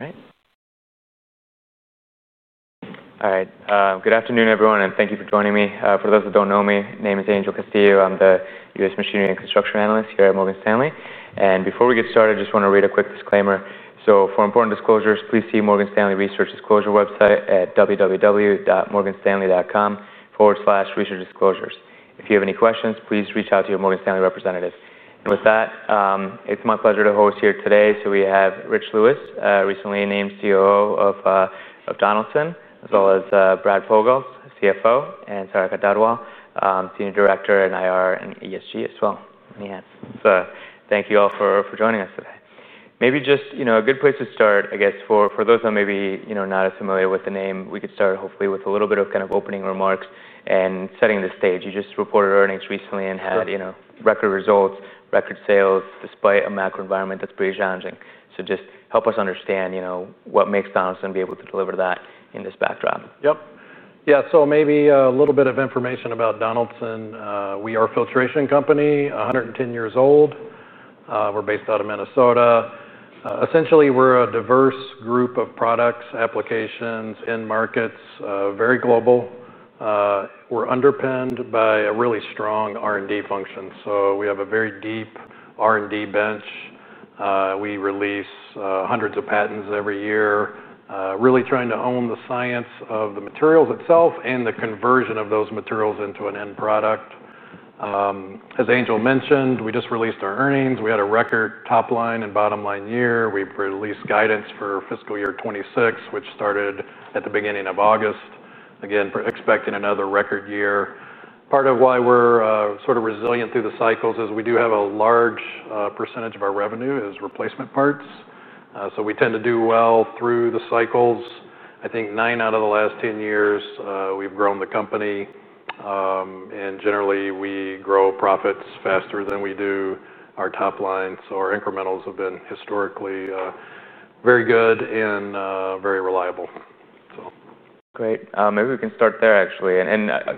All right. Good afternoon, everyone, and thank you for joining me. For those that don't know me, my name is Angel Castillo. I'm the US Machinery and Construction Analyst here at Morgan Stanley. Before we get started, I just want to read a quick disclaimer. For important disclosures, please see Morgan Stanley Research Disclosure website at www.morganstanley.com/researchdisclosures. If you have any questions, please reach out to your Morgan Stanley representative. With that, it's my pleasure to host here today. We have Rich Lewis, recently named COO of Donaldson Company, as well as Brad Pogalz, Chief Financial Officer, and Sarika Dhadwal, Senior Director in IR and ESG as well. Thank you all for joining us today. Maybe just a good place to start for those that may be not as familiar with the name, we could start hopefully with a little bit of kind of opening remarks and setting the stage. You just reported earnings recently and had record results, record sales despite a macro environment that's pretty challenging. Just help us understand what makes Donaldson be able to deliver that in this backdrop. Yep. Yeah, so maybe a little bit of information about Donaldson. We are a filtration company, 110 years old. We're based out of Minnesota. Essentially, we're a diverse group of products, applications, end markets, very global. We're underpinned by a really strong R&D function. We have a very deep R&D bench. We release hundreds of patents every year, really trying to own the science of the materials itself and the conversion of those materials into an end product. As Angel mentioned, we just released our earnings. We had a record top line and bottom line year. We released guidance for fiscal year 2026, which started at the beginning of August. Again, expecting another record year. Part of why we're sort of resilient through the cycles is we do have a large percentage of our revenue as replacement parts. We tend to do well through the cycles. I think nine out of the last 10 years, we've grown the company. Generally, we grow profits faster than we do our top lines. Our incrementals have been historically very good and very reliable. Great. Maybe we can start there, actually.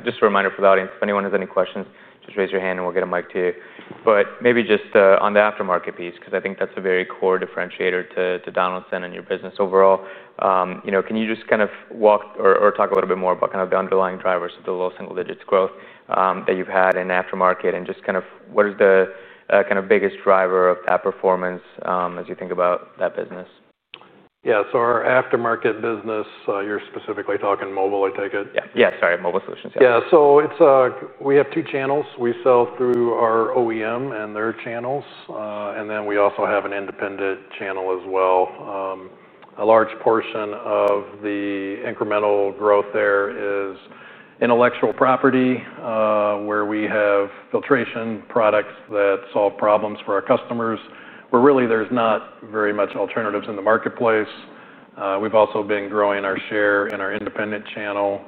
Just a reminder for the audience, if anyone has any questions, just raise your hand and we'll get a mic to you. Maybe just on the aftermarket piece, because I think that's a very core differentiator to Donaldson and your business overall. Can you just kind of walk or talk a little bit more about the underlying drivers of the low single digits growth that you've had in aftermarket and just what is the biggest driver of that performance as you think about that business? Yeah, our aftermarket business, you're specifically talking mobile, I take it? Yeah, sorry, mobile aftermarket solutions. Yeah, we have two channels. We sell through our OEM and their channels, and we also have an independent channel as well. A large portion of the incremental growth there is intellectual property, where we have filtration products that solve problems for our customers, where really there's not very much alternatives in the marketplace. We've also been growing our share in our independent channel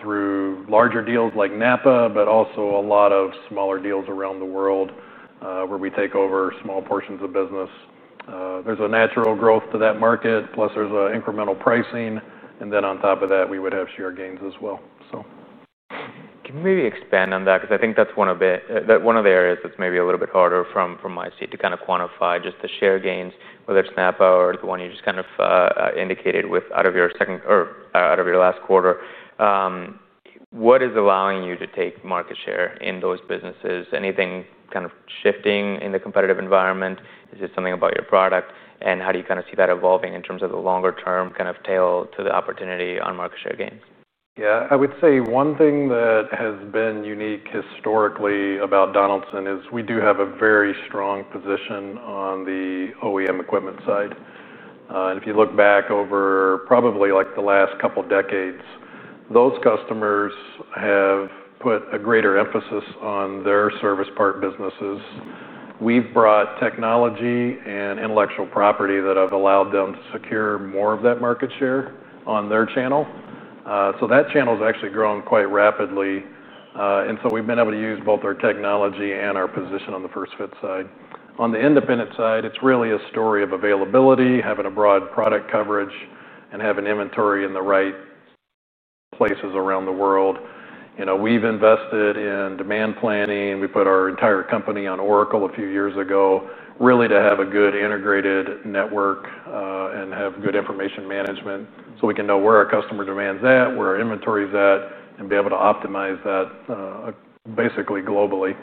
through larger deals like NAPA, but also a lot of smaller deals around the world, where we take over small portions of business. There's a natural growth to that market, plus there's incremental pricing. On top of that, we would have share gains as well. Can you maybe expand on that? I think that's one of the areas that's maybe a little bit harder from my seat to kind of quantify just the share gains, whether it's NAPA or the one you just indicated out of your last quarter. What is allowing you to take market share in those businesses? Anything kind of shifting in the competitive environment? Is it something about your product? How do you see that evolving in terms of the longer term tail to the opportunity on market share gains? Yeah, I would say one thing that has been unique historically about Donaldson is we do have a very strong position on the OEM equipment side. If you look back over probably like the last couple of decades, those customers have put a greater emphasis on their service part businesses. We've brought technology and intellectual property that have allowed them to secure more of that market share on their channel. That channel has actually grown quite rapidly. We've been able to use both our technology and our position on the first fit side. On the independent side, it's really a story of availability, having a broad product coverage, and having inventory in the right places around the world. We've invested in demand planning. We put our entire company on Oracle a few years ago, really to have a good integrated network and have good information management so we can know where our customer demand is at, where our inventory is at, and be able to optimize that basically globally.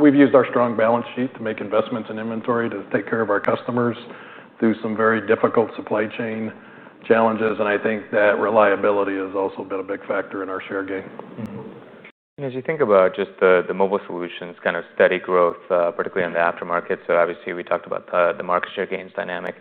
We've used our strong balance sheet to make investments in inventory to take care of our customers through some very difficult supply chain challenges. I think that reliability has also been a big factor in our share gain. As you think about just the mobile solutions, kind of steady growth, particularly in the aftermarket, we talked about the market share gains dynamic.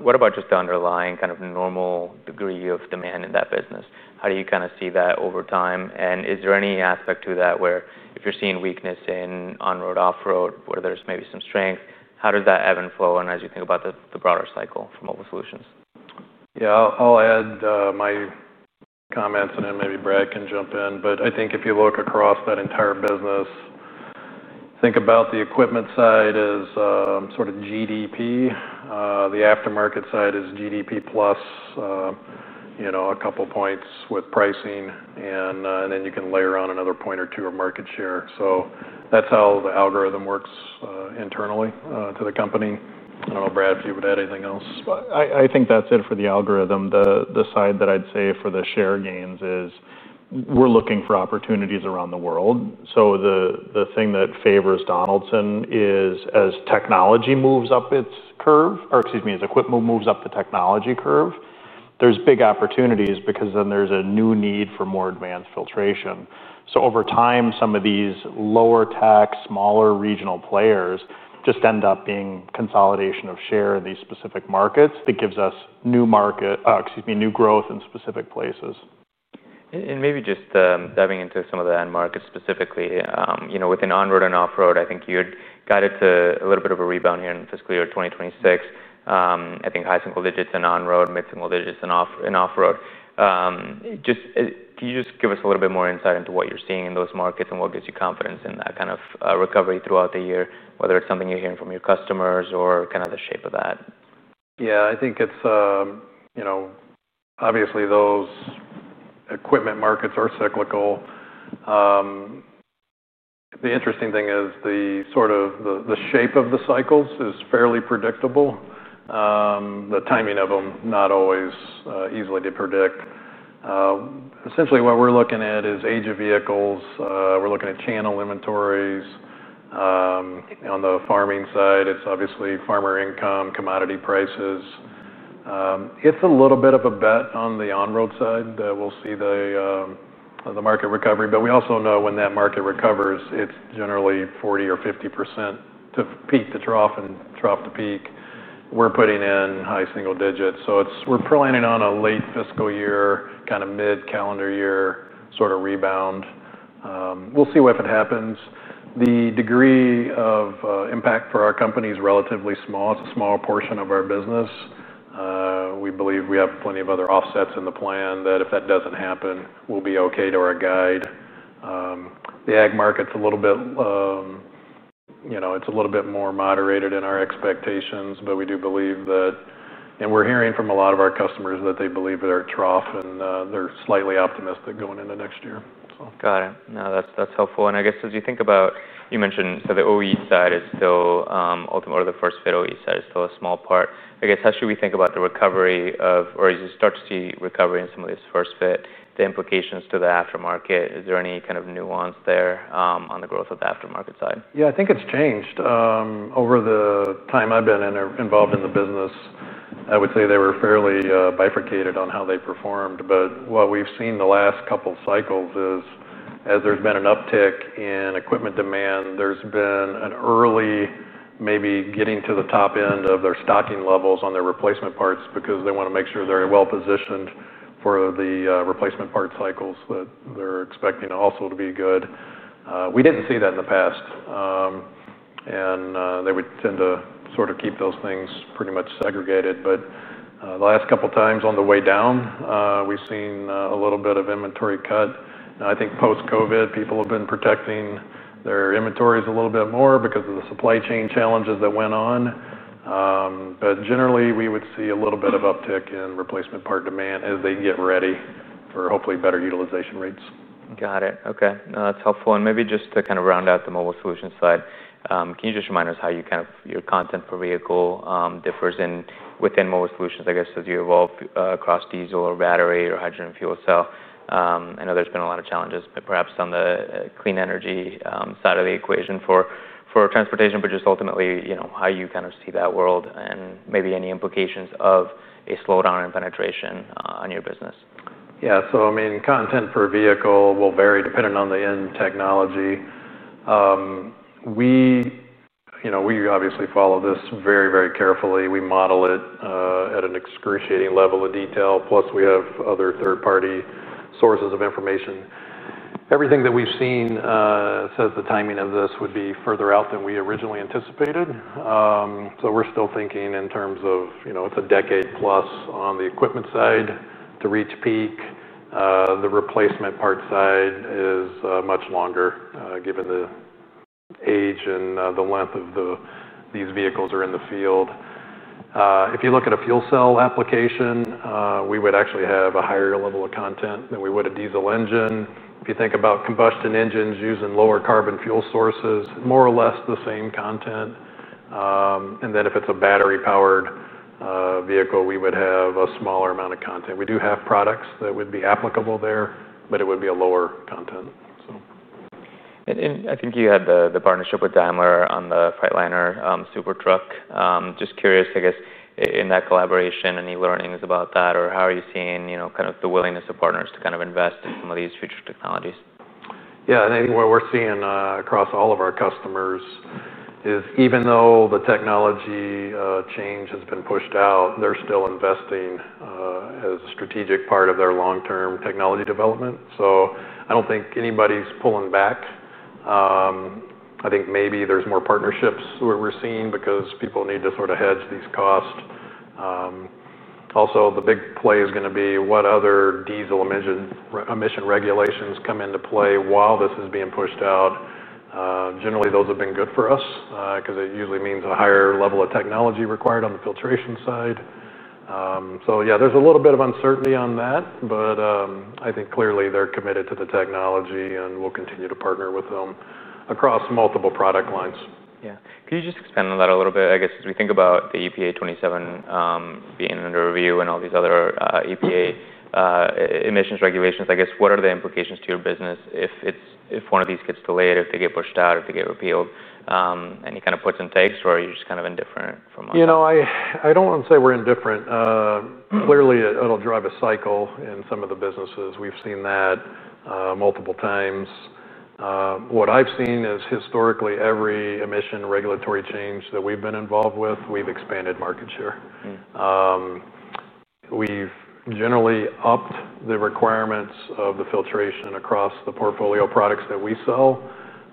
What about just the underlying kind of normal degree of demand in that business? How do you kind of see that over time? Is there any aspect to that where if you're seeing weakness in on-road, off-road, where there's maybe some strength, how does that ebb and flow? As you think about the broader cycle for mobile solutions? Yeah, I'll add my comments, and then maybe Brad can jump in. I think if you look across that entire business, think about the equipment side as sort of GDP. The aftermarket side is GDP plus a couple points with pricing, and then you can layer on another point or two of market share. That's how the algorithm works internally to the company. I don't know, Brad, if you would add anything else. I think that's it for the algorithm. The side that I'd say for the share gains is we're looking for opportunities around the world. The thing that favors Donaldson is as equipment moves up the technology curve, there's big opportunities because then there's a new need for more advanced filtration. Over time, some of these lower tech, smaller regional players just end up being consolidation of share in these specific markets that gives us new market, new growth in specific places. Maybe just diving into some of the end markets specifically, you know, within on-road and off-road, I think you had guided to a little bit of a rebound here in fiscal year 2026. I think high single digits in on-road, mid-single digits in off-road. Can you just give us a little bit more insight into what you're seeing in those markets and what gives you confidence in that kind of recovery throughout the year, whether it's something you're hearing from your customers or kind of the shape of that? Yeah, I think it's, you know, obviously those equipment markets are cyclical. The interesting thing is the sort of the shape of the cycles is fairly predictable. The timing of them is not always easy to predict. Essentially, what we're looking at is age of vehicles. We're looking at channel inventories. On the farming side, it's obviously farmer income, commodity prices. It's a little bit of a bet on the on-road side that we'll see the market recovery, but we also know when that market recovers, it's generally 40% or 50% to peak to trough and trough to peak. We're putting in high single digits. We're planning on a late fiscal year, kind of mid-calendar year sort of rebound. We'll see what happens. The degree of impact for our company is relatively small. It's a small portion of our business. We believe we have plenty of other offsets in the plan that if that doesn't happen, we'll be okay to our guide. The ag market's a little bit, you know, it's a little bit more moderated in our expectations, but we do believe that, and we're hearing from a lot of our customers that they believe that our trough and they're slightly optimistic going into next year. Got it. No, that's helpful. I guess as you think about, you mentioned, the OE side is still ultimately the first fit. The OE side is still a small part. I guess how should we think about the recovery of, or as you start to see recovery in some of these first fit, the implications to the aftermarket? Is there any kind of nuance there on the growth of the aftermarket side? Yeah, I think it's changed. Over the time I've been involved in the business, I would say they were fairly bifurcated on how they performed. What we've seen the last couple of cycles is, as there's been an uptick in equipment demand, there's been an early maybe getting to the top end of their stocking levels on their replacement parts because they want to make sure they're well positioned for the replacement part cycles that they're expecting also to be good. We didn't see that in the past. They would tend to sort of keep those things pretty much segregated. The last couple of times on the way down, we've seen a little bit of inventory cut. I think post-COVID, people have been protecting their inventories a little bit more because of the supply chain challenges that went on. Generally, we would see a little bit of uptick in replacement part demand as they get ready for hopefully better utilization rates. Got it. Okay. No, that's helpful. Maybe just to kind of round out the mobile solution side, can you just remind us how you kind of, your content per vehicle differs within mobile solutions, I guess, as you evolve across diesel or battery or hydrogen fuel cell? I know there's been a lot of challenges perhaps on the clean energy side of the equation for transportation, but just ultimately, you know, how you kind of see that world and maybe any implications of a slowdown in penetration on your business. Yeah, content per vehicle will vary depending on the end technology. We obviously follow this very, very carefully. We model it at an excruciating level of detail. Plus, we have other third-party sources of information. Everything that we've seen says the timing of this would be further out than we originally anticipated. We're still thinking in terms of, you know, it's a decade plus on the equipment side to reach peak. The replacement part side is much longer given the age and the length of these vehicles that are in the field. If you look at a fuel cell application, we would actually have a higher level of content than we would a diesel engine. If you think about combustion engines using lower carbon fuel sources, more or less the same content. If it's a battery-powered vehicle, we would have a smaller amount of content. We do have products that would be applicable there, but it would be a lower content. You had the partnership with Daimler on the Freightliner SuperTruck. Just curious, in that collaboration, any learnings about that or how are you seeing the willingness of partners to invest in some of these future technologies? Yeah, I think where we're seeing across all of our customers is even though the technology change has been pushed out, they're still investing as a strategic part of their long-term technology development. I don't think anybody's pulling back. I think maybe there's more partnerships we're seeing because people need to sort of hedge these costs. Also, the big play is going to be what other diesel emission regulations come into play while this is being pushed out. Generally, those have been good for us because it usually means a higher level of technology required on the filtration side. There's a little bit of uncertainty on that, but I think clearly they're committed to the technology and will continue to partner with them across multiple product lines. Yeah. Can you just expand on that a little bit? I guess as we think about the EPA27 being under review and all these other EPA emissions regulations, what are the implications to your business if one of these gets delayed, if they get pushed out, if they get repealed? Any kind of puts and takes, or are you just kind of indifferent? I don't want to say we're indifferent. Clearly, it'll drive a cycle in some of the businesses. We've seen that multiple times. What I've seen is historically every emission regulatory change that we've been involved with, we've expanded market share. We've generally upped the requirements of the filtration across the portfolio products that we sell.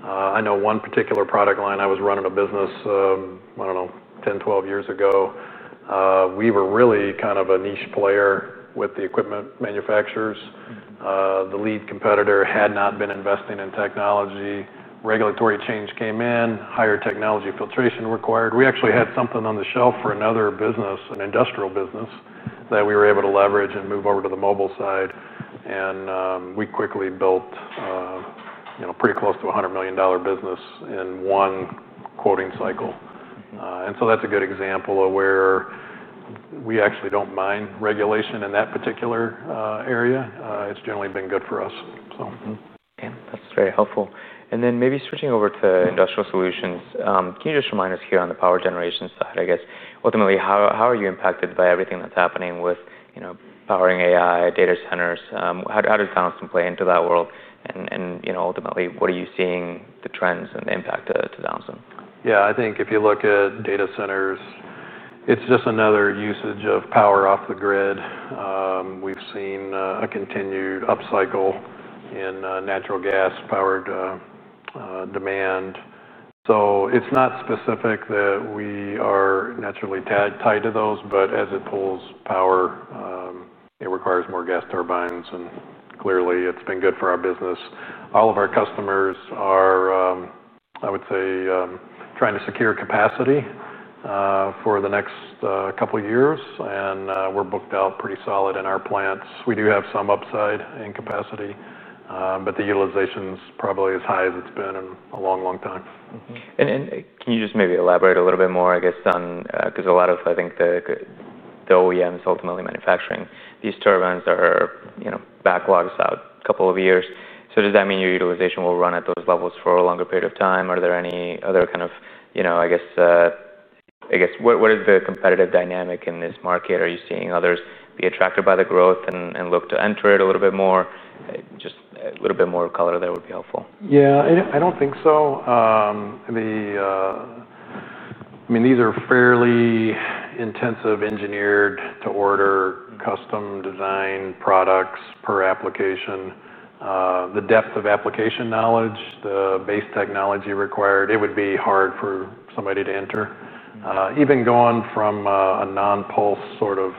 I know one particular product line I was running a business, I don't know, 10, 12 years ago. We were really kind of a niche player with the equipment manufacturers. The lead competitor had not been investing in technology. Regulatory change came in, higher technology filtration required. We actually had something on the shelf for another business, an industrial business that we were able to leverage and move over to the mobile side. We quickly built pretty close to a $100 million business in one quoting cycle. That's a good example of where we actually don't mind regulation in that particular area. It's generally been good for us. Okay, that's very helpful. Maybe switching over to industrial solutions, can you just remind us here on the power generation side? I guess ultimately how are you impacted by everything that's happening with powering AI data centers? How does Donaldson play into that world? Ultimately, what are you seeing, the trends and the impact to Donaldson? Yeah, I think if you look at data centers, it's just another usage of power off the grid. We've seen a continued upcycle in natural gas-powered demand. It's not specific that we are naturally tied to those, but as it pulls power, it requires more gas turbines. Clearly, it's been good for our business. All of our customers are, I would say, trying to secure capacity for the next couple of years. We're booked out pretty solid in our plants. We do have some upside in capacity, but the utilization is probably as high as it's been in a long, long time. Can you just maybe elaborate a little bit more on, because a lot of, I think, the OEMs ultimately manufacturing these turbines are backlogs out a couple of years. Does that mean your utilization will run at those levels for a longer period of time? Are there any other kind of, you know, I guess, what is the competitive dynamic in this market? Are you seeing others be attracted by the growth and look to enter it a little bit more? Just a little bit more of color there would be helpful. Yeah, I don't think so. I mean, these are fairly intensive engineered-to-order custom design products per application. The depth of application knowledge, the base technology required, it would be hard for somebody to enter. Even going from a non-pulse sort of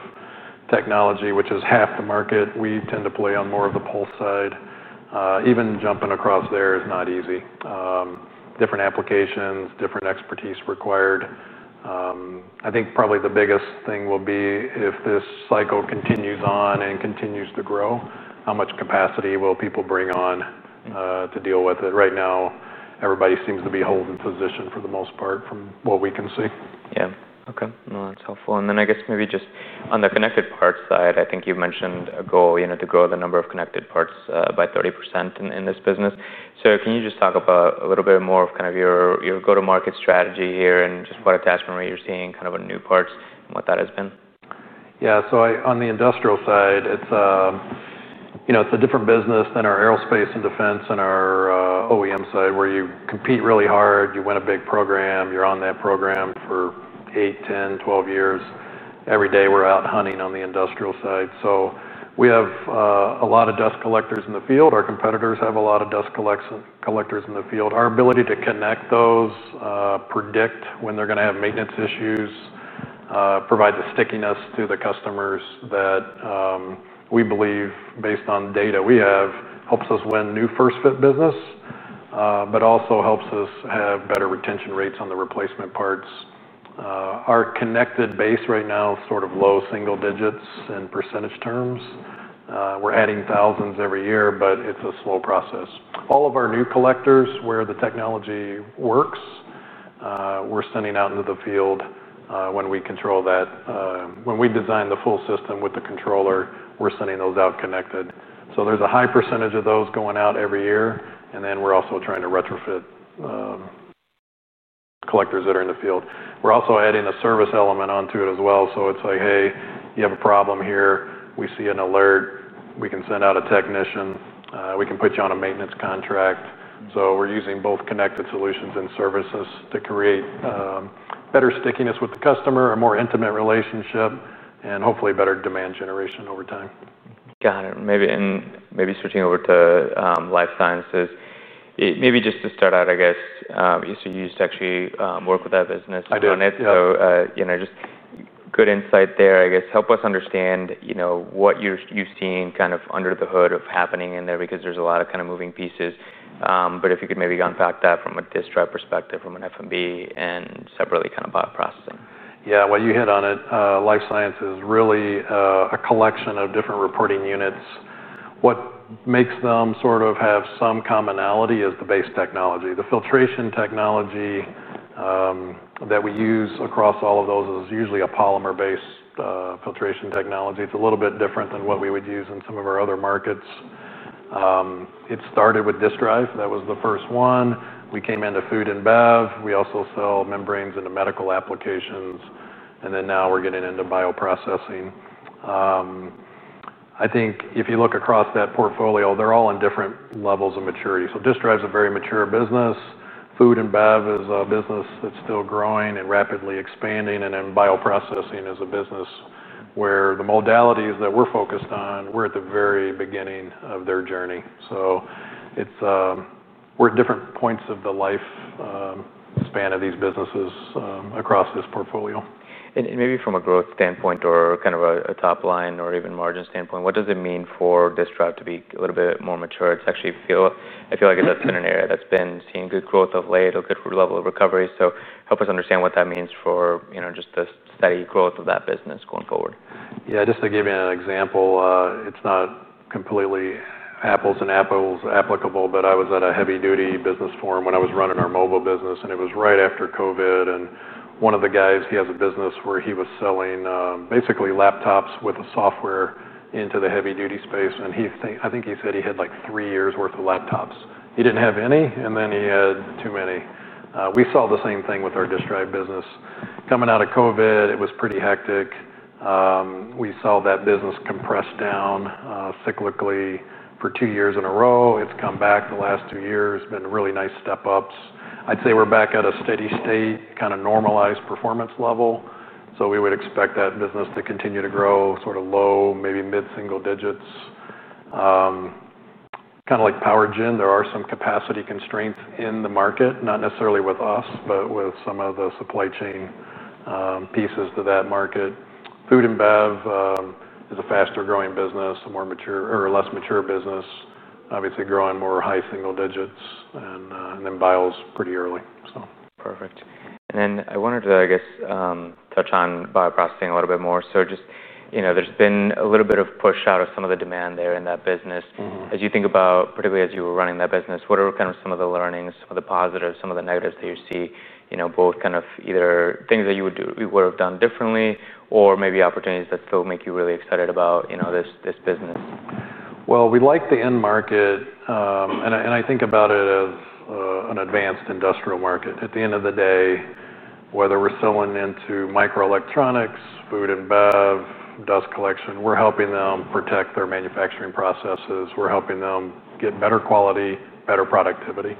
technology, which is half the market, we tend to play on more of the pulse side. Even jumping across there is not easy. Different applications, different expertise required. I think probably the biggest thing will be if this cycle continues on and continues to grow, how much capacity will people bring on to deal with it? Right now, everybody seems to be holding position for the most part from what we can see. Yeah, okay. No, that's helpful. I guess maybe just on the connected parts side, I think you've mentioned a goal to grow the number of connected parts by 30% in this business. Can you just talk about a little bit more of kind of your go-to-market strategy here and just what attachment rate you're seeing, kind of a new parts and what that has been? Yeah, on the industrial side, it's a different business than our aerospace and defense and our OEM side where you compete really hard. You win a big program, you're on that program for 8, 10, 12 years. Every day we're out hunting on the industrial side. We have a lot of dust collectors in the field. Our competitors have a lot of dust collectors in the field. Our ability to connect those, predict when they're going to have maintenance issues, provide the stickiness to the customers that we believe, based on data we have, helps us win new first-fit business, but also helps us have better retention rates on the replacement parts. Our connected base right now is sort of low single digits in percentage terms. We're adding thousands every year, but it's a slow process. All of our new collectors, where the technology works, we're sending out into the field when we control that. When we design the full system with the controller, we're sending those out connected. There's a high percentage of those going out every year. We're also trying to retrofit collectors that are in the field. We're also adding a service element onto it as well. It's like, hey, you have a problem here. We see an alert. We can send out a technician. We can put you on a maintenance contract. We're using both connected solutions and services to create better stickiness with the customer, a more intimate relationship, and hopefully better demand generation over time. Got it. Maybe switching over to life sciences, maybe just to start out, I guess, you used to actually work with that business. I did. Just good insight there. I guess help us understand what you've seen kind of under the hood of happening in there because there's a lot of kind of moving pieces. If you could maybe unpack that from a disk drive perspective, from an FMB, and separately kind of bioprocessing. Yeah, you hit on it. Life science is really a collection of different reporting units. What makes them sort of have some commonality is the base technology. The filtration technology that we use across all of those is usually a polymer-based filtration technology. It's a little bit different than what we would use in some of our other markets. It started with disk drive. That was the first one. We came into food and bev. We also sell membranes into medical applications. Now we're getting into bioprocessing. I think if you look across that portfolio, they're all in different levels of maturity. Disk drive is a very mature business. Food and bev is a business that's still growing and rapidly expanding. Bioprocessing is a business where the modalities that we're focused on, we're at the very beginning of their journey. We're at different points of the life span of these businesses across this portfolio. From a growth standpoint or kind of a top line or even margin standpoint, what does it mean for disk drive to be a little bit more mature? I feel like that's been an area that's been seeing good growth of late or good level of recovery. Help us understand what that means for just the steady growth of that business going forward. Yeah, just to give you an example, it's not completely apples and apples applicable, but I was at a heavy-duty business forum when I was running our mobile business. It was right after COVID. One of the guys, he has a business where he was selling basically laptops with a software into the heavy-duty space. I think he said he had like three years' worth of laptops. He didn't have any, and then he had too many. We saw the same thing with our disk drive business. Coming out of COVID, it was pretty hectic. We saw that business compress down cyclically for two years in a row. It's come back the last two years. It's been really nice step-ups. I'd say we're back at a steady state, kind of normalized performance level. We would expect that business to continue to grow sort of low, maybe mid-single digits. Kind of like PowerGen, there are some capacity constraints in the market, not necessarily with us, but with some of the supply chain pieces to that market. Food and bev is a faster growing business, a more mature or less mature business, obviously growing more high single digits and then buy-outs pretty early. Perfect. I wanted to touch on bioprocessing a little bit more. There's been a little bit of push out of some of the demand there in that business. As you think about, particularly as you were running that business, what are some of the learnings, some of the positives, some of the negatives that you see, both either things that you would have done differently or maybe opportunities that still make you really excited about this business? We like the end market. I think about it as an advanced industrial market. At the end of the day, whether we're selling into microelectronics, food and bev, dust collection, we're helping them protect their manufacturing processes. We're helping them get better quality, better productivity.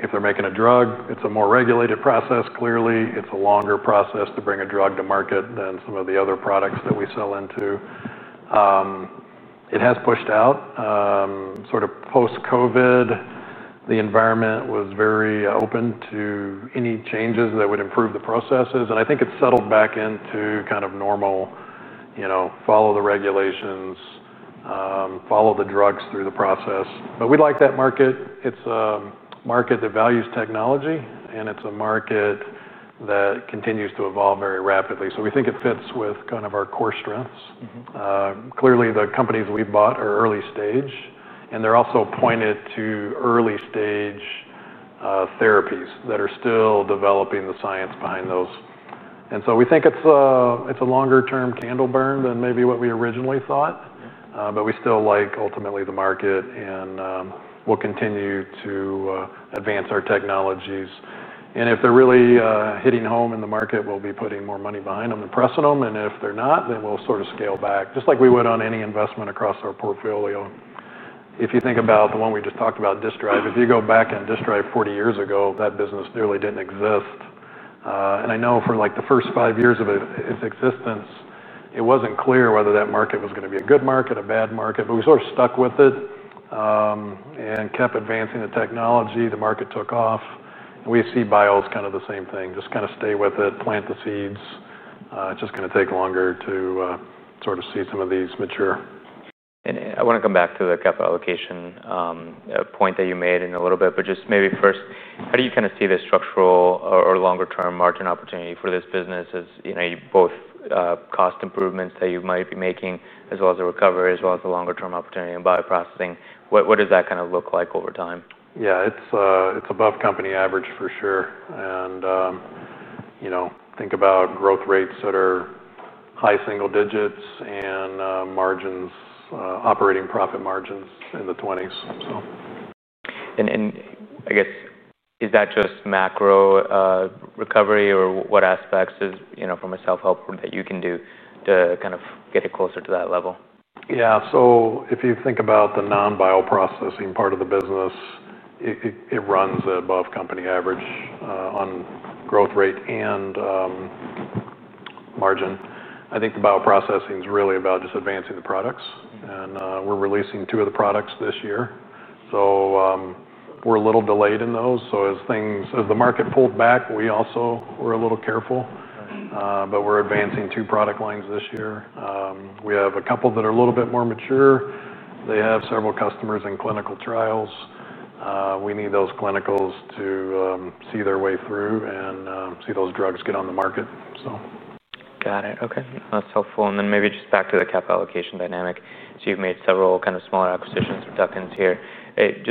If they're making a drug, it's a more regulated process. Clearly, it's a longer process to bring a drug to market than some of the other products that we sell into. It has pushed out. Post-COVID, the environment was very open to any changes that would improve the processes. I think it's settled back into kind of normal, you know, follow the regulations, follow the drugs through the process. We like that market. It's a market that values technology, and it's a market that continues to evolve very rapidly. We think it fits with kind of our core strengths. Clearly, the companies we bought are early stage, and they're also pointed to early stage therapies that are still developing the science behind those. We think it's a longer-term candle burn than maybe what we originally thought. We still like ultimately the market, and we'll continue to advance our technologies. If they're really hitting home in the market, we'll be putting more money behind them and pressing them. If they're not, then we'll sort of scale back, just like we would on any investment across our portfolio. If you think about the one we just talked about, disk drive, if you go back and disk drive 40 years ago, that business nearly didn't exist. I know for like the first five years of its existence, it wasn't clear whether that market was going to be a good market, a bad market, but we sort of stuck with it and kept advancing the technology. The market took off. We see buyouts kind of the same thing, just kind of stay with it, plant the seeds. It's just going to take longer to sort of see some of these mature. I want to come back to the capital allocation point that you made in a little bit, but just maybe first, how do you kind of see this structural or longer-term margin opportunity for this business as you both cost improvements that you might be making, as well as the recovery, as well as the longer-term opportunity in bioprocessing? What does that kind of look like over time? Yeah, it's above company average for sure. You know, think about growth rates that are high single digits and margins, operating profit margins in the 20s. Is that just macro recovery, or what aspects is from a self-help that you can do to kind of get it closer to that level? Yeah, so if you think about the non-bioprocessing part of the business, it runs above company average on growth rate and margin. I think the bioprocessing is really about just advancing the products. We're releasing two of the products this year. We're a little delayed in those. As the market pulled back, we also were a little careful. We're advancing two product lines this year. We have a couple that are a little bit more mature. They have several customers in clinical trials. We need those clinicals to see their way through and see those drugs get on the market. Got it. Okay. That's helpful. Maybe just back to the capital allocation dynamic. You've made several kind of smaller acquisitions or duck-ins here. Could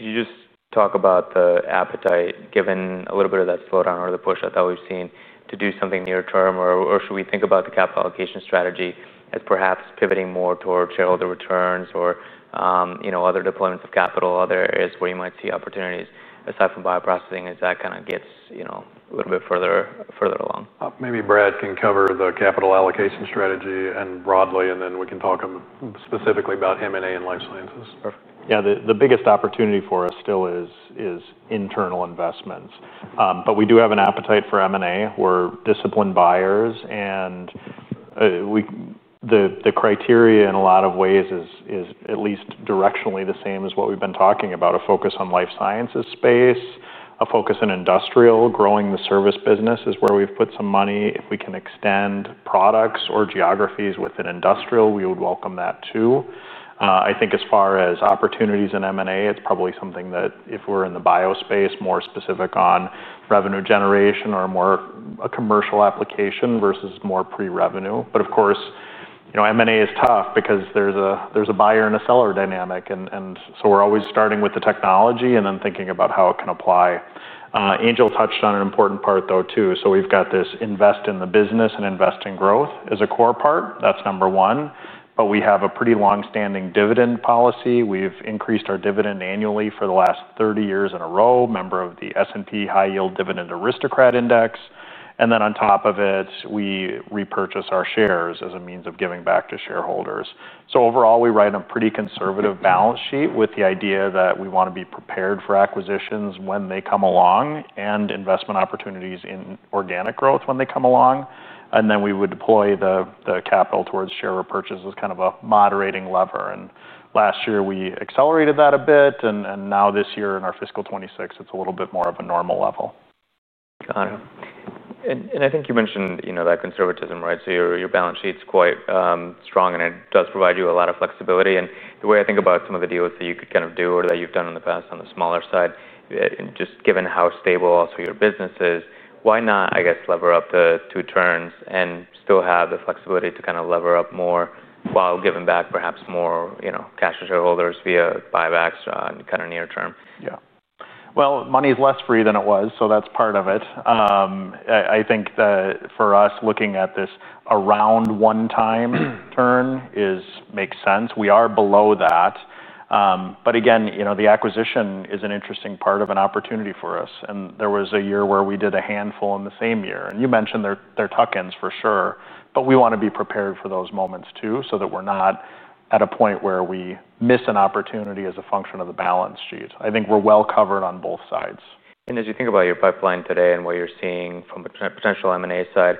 you just talk about the appetite, given a little bit of that slowdown or the push-up that we've seen to do something near-term, or should we think about the capital allocation strategy as perhaps pivoting more toward shareholder returns or other deployments of capital, other areas where you might see opportunities aside from bioprocessing as that kind of gets a little bit further along? Maybe Brad can cover the capital allocation strategy broadly, and then we can talk specifically about M&A and life sciences. Yeah, the biggest opportunity for us still is internal investments. We do have an appetite for M&A. We're disciplined buyers, and the criteria in a lot of ways is at least directionally the same as what we've been talking about: a focus on life sciences space, a focus on industrial. Growing the service business is where we've put some money. If we can extend products or geographies within industrial, we would welcome that too. I think as far as opportunities in M&A, it's probably something that if we're in the bio space, more specific on revenue generation or more a commercial application versus more pre-revenue. Of course, you know, M&A is tough because there's a buyer and a seller dynamic. We're always starting with the technology and then thinking about how it can apply. Angel touched on an important part though too. We've got this invest in the business and invest in growth as a core part. That's number one. We have a pretty longstanding dividend policy. We've increased our dividend annually for the last 30 years in a row, member of the S&P High Yield Dividend Aristocrat Index. On top of it, we repurchase our shares as a means of giving back to shareholders. Overall, we write a pretty conservative balance sheet with the idea that we want to be prepared for acquisitions when they come along and investment opportunities in organic growth when they come along. We would deploy the capital towards share repurchase as kind of a moderating lever. Last year, we accelerated that a bit. Now this year in our fiscal 2026, it's a little bit more of a normal level. Got it. I think you mentioned that conservatism, right? Your balance sheet's quite strong, and it does provide you a lot of flexibility. The way I think about some of the deals that you could kind of do or that you've done in the past on the smaller side, and just given how stable also your business is, why not, I guess, lever up the two terms and still have the flexibility to kind of lever up more while giving back perhaps more cash to shareholders via buybacks kind of near term? Yeah, money is less free than it was. That's part of it. I think that for us, looking at this around one time turn makes sense. We are below that. Again, the acquisition is an interesting part of an opportunity for us. There was a year where we did a handful in the same year. You mentioned they're tuck-ins for sure. We want to be prepared for those moments too, so that we're not at a point where we miss an opportunity as a function of the balance sheet. I think we're well covered on both sides. As you think about your pipeline today and what you're seeing from the potential M&A side,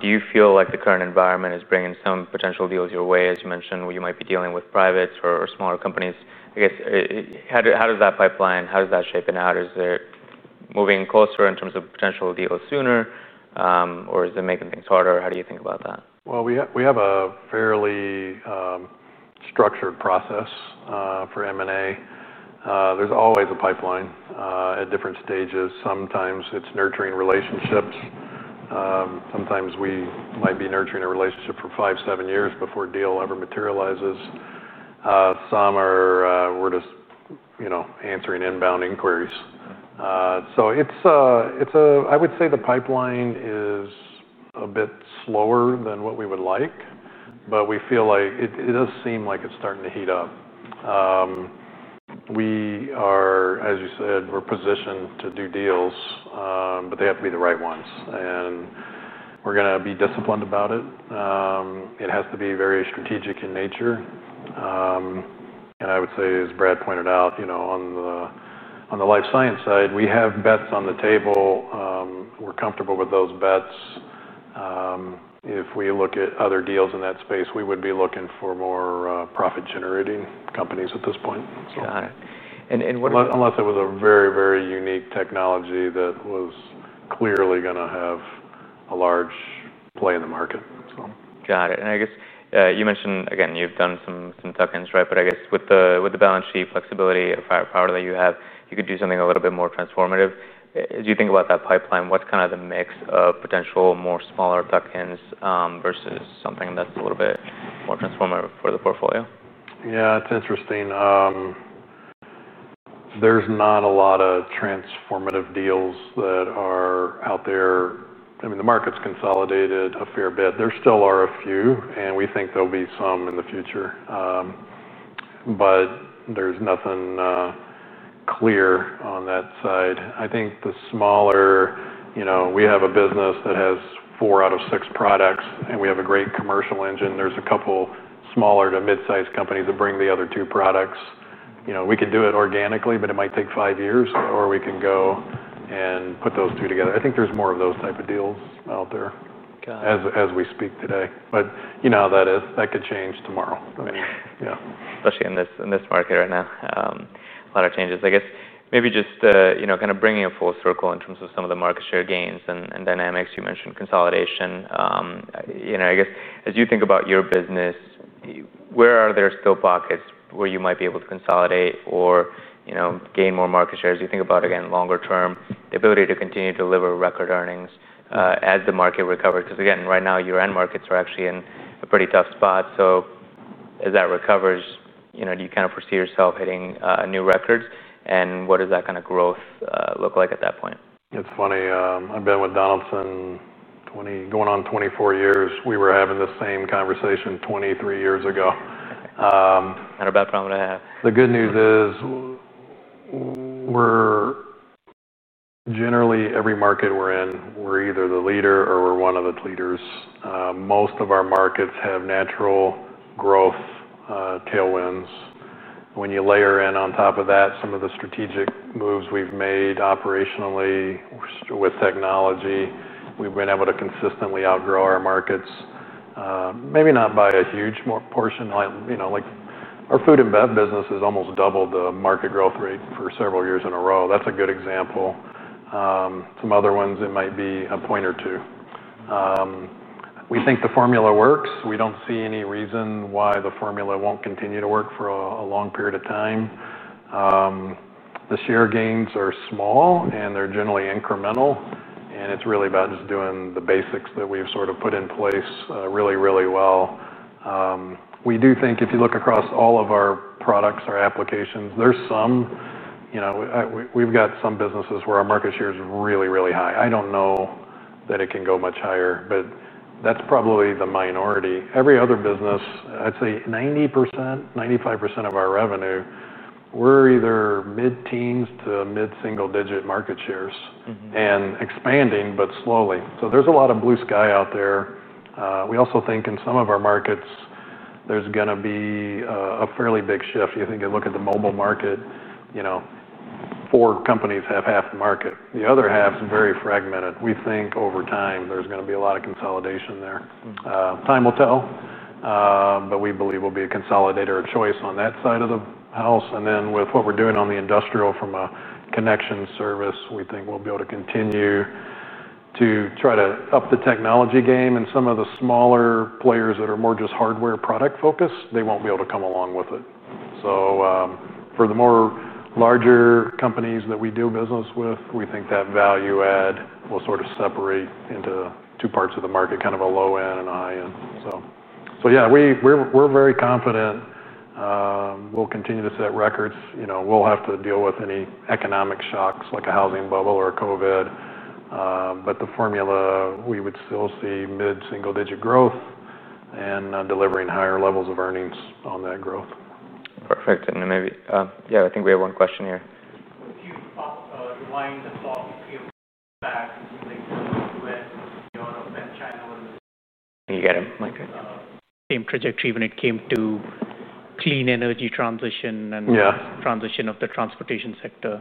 do you feel like the current environment is bringing some potential deals your way? As you mentioned, you might be dealing with privates or smaller companies. How does that pipeline, how does that shape it out? Is it moving closer in terms of potential deals sooner, or is it making things harder? How do you think about that? We have a fairly structured process for M&A. There's always a pipeline at different stages. Sometimes it's nurturing relationships. Sometimes we might be nurturing a relationship for five, seven years before a deal ever materializes. Some are, we're just answering inbound inquiries. The pipeline is a bit slower than what we would like, but we feel like it does seem like it's starting to heat up. We are, as you said, positioned to do deals, but they have to be the right ones. We're going to be disciplined about it. It has to be very strategic in nature. As Brad Pogalz pointed out, on the life science side, we have bets on the table. We're comfortable with those bets. If we look at other deals in that space, we would be looking for more profit-generating companies at this point. Got it. Unless it was a very, very unique technology that was clearly going to have a large play in the market. Got it. You mentioned, again, you've done some tuck-ins, right? With the balance sheet flexibility of power that you have, you could do something a little bit more transformative. As you think about that pipeline, what's kind of the mix of potential more smaller tuck-ins versus something that's a little bit more transformative for the portfolio? Yeah, it's interesting. There's not a lot of transformative deals that are out there. I mean, the market's consolidated a fair bit. There still are a few, and we think there'll be some in the future. There's nothing clear on that side. I think the smaller, you know, we have a business that has four out of six products, and we have a great commercial engine. There's a couple smaller to mid-sized companies that bring the other two products. You know, we can do it organically, but it might take five years, or we can go and put those two together. I think there's more of those types of deals out there as we speak today. You know how that is. That could change tomorrow. Yeah, especially in this market right now. A lot of changes. I guess maybe just, you know, kind of bringing it full circle in terms of some of the market share gains and dynamics you mentioned, consolidation. As you think about your business, where are there still pockets where you might be able to consolidate or gain more market share? You think about, again, longer term, the ability to continue to deliver record earnings as the market recovers. Right now, your end markets are actually in a pretty tough spot. As that recovers, do you kind of foresee yourself hitting new records? What does that kind of growth look like at that point? It's funny. I've been with Donaldson Company going on 24 years. We were having the same conversation 23 years ago. Not a bad problem to have. The good news is we're generally every market we're in, we're either the leader or we're one of the leaders. Most of our markets have natural growth tailwinds. When you layer in on top of that, some of the strategic moves we've made operationally with technology, we've been able to consistently outgrow our markets. Maybe not by a huge portion. You know, like our food and bev business has almost doubled the market growth rate for several years in a row. That's a good example. Some other ones, it might be a point or two. We think the formula works. We don't see any reason why the formula won't continue to work for a long period of time. The share gains are small, and they're generally incremental. It's really about just doing the basics that we've sort of put in place really, really well. We do think if you look across all of our products, our applications, there's some, you know, we've got some businesses where our market share is really, really high. I don't know that it can go much higher, but that's probably the minority. Every other business, I'd say 90%, 95% of our revenue, we're either mid-teens to mid-single digit market shares and expanding, but slowly. There's a lot of blue sky out there. We also think in some of our markets, there's going to be a fairly big shift. You think you look at the mobile market, you know, four companies have half the market. The other half is very fragmented. We think over time, there's going to be a lot of consolidation there. Time will tell. We believe we'll be a consolidator of choice on that side of the house. With what we're doing on the industrial from a connection service, we think we'll be able to continue to try to up the technology game. Some of the smaller players that are more just hardware product focused, they won't be able to come along with it. For the more larger companies that we do business with, we think that value add will sort of separate into two parts of the market, kind of a low end and a high end. We're very confident we'll continue to set records. We'll have to deal with any economic shocks like a housing bubble or a COVID. The formula, we would still see mid-single digit growth and delivering higher levels of earnings on that growth. Perfect. I think we have one question here. You got him, Michael. Same trajectory when it came to clean energy transition and transition of the transportation sector.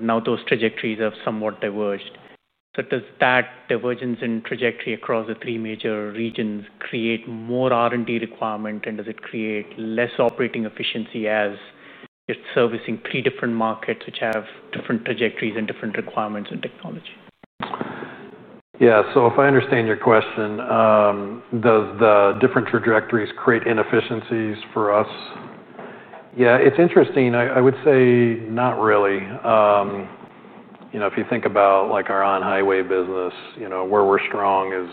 Now those trajectories have somewhat diverged. Does that divergence in trajectory across the three major regions create more R&D requirement? Does it create less operating efficiency as you're servicing three different markets which have different trajectories and different requirements in technology? Yeah, so if I understand your question, does the different trajectories create inefficiencies for us? It's interesting. I would say not really. If you think about our on-highway business, where we're strong is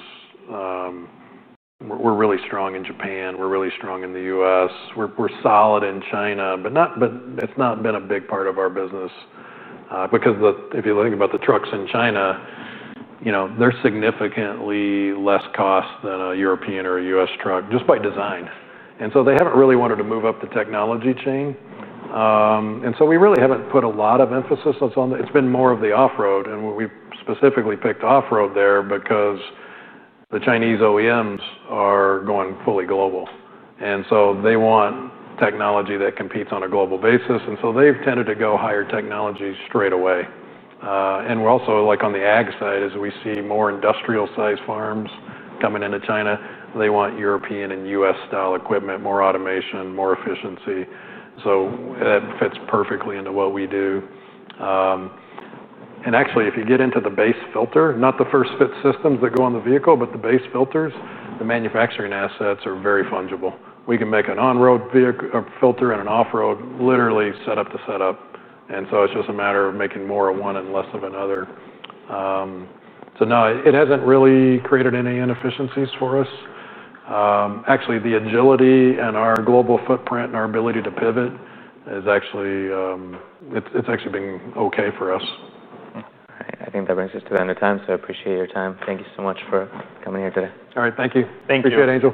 we're really strong in Japan. We're really strong in the U.S. We're solid in China, but it's not been a big part of our business. If you think about the trucks in China, they're significantly less cost than a European or a U.S. truck just by design, and so they haven't really wanted to move up the technology chain. We really haven't put a lot of emphasis. It's been more of the off-road. We specifically picked off-road there because the Chinese OEMs are going fully global, and so they want technology that competes on a global basis. They've tended to go higher technology straight away. We're also, like on the ag side, as we see more industrial-sized farms coming into China, they want European and U.S. style equipment, more automation, more efficiency. That fits perfectly into what we do. If you get into the base filter, not the first-fit systems that go on the vehicle, but the base filters, the manufacturing assets are very fungible. We can make an on-road filter and an off-road literally set up to set up. It's just a matter of making more of one and less of another. No, it hasn't really created any inefficiencies for us. The agility and our global footprint and our ability to pivot is actually, it's actually been okay for us. I think that brings us to the end of time. I appreciate your time. Thank you so much for coming here today. All right, thank you. Appreciate it, Angel.